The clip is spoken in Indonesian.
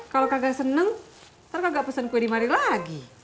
kalau kagak seneng nanti kagak pesen kue dimari lagi